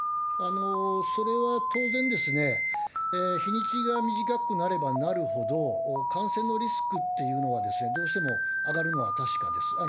それは当然、日にちが短くなれば、なるほど、感染のリスクっていうのは、どうしても上がるのは確かです。